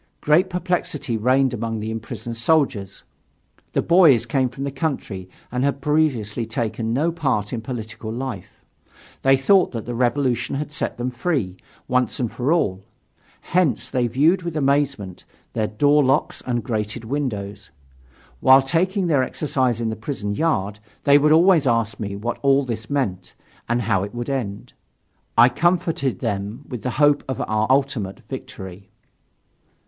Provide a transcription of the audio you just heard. Great perplexity reigned among the imprisoned soldiers. The boys came from the country and had previously taken no part in political life. They thought that the revolution had set them free, once and for all. Hence they viewed with amazement their doorlocks and grated windows. While taking their exercise in the prison yard, they would always ask me what all this meant and how it would end. I comforted them with the hope of our ultimate victory.